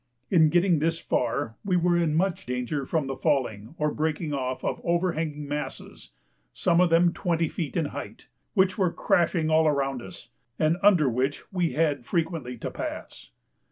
In getting this far we were in much danger from the falling, or breaking off, of overhanging masses (some of them 20 feet in height), which were crashing all around us, and under which we had frequently to pass.